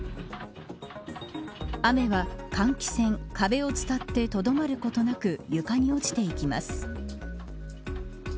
雨は換気扇、壁を伝ってとどまることなく床に落ちていきます。